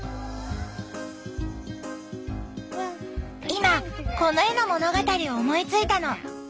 今この絵の物語を思いついたの。